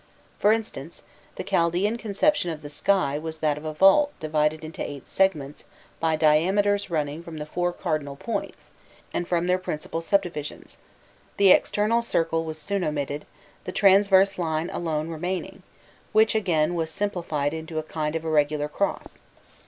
For instance, the Chaldaean conception of the sky was that of a vault divided into eight segments by diameters running from the four cardinal points and from their principal subdivisions [symbol] the external circle was soon omitted, the transverse lines alone remaining [symbol], which again was simplified into a kind of irregular cross [symbol].